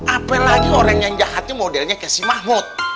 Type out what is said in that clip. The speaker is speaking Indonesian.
apalagi orang yang jahatnya modelnya ke si mahmud